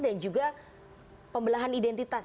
dan juga pembelahan identitas